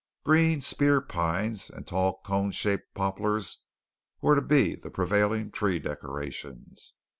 Green spear pines and tall cone shaped poplars were to be the prevailing tree decorations.